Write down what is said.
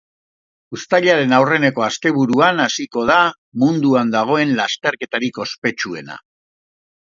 Uztailaren aurreneko asteburuan hasiko da munduan dagoen lasterketarik ospetsuena.